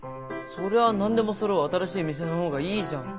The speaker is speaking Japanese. そりゃ何でもそろう新しい店の方がいいじゃん。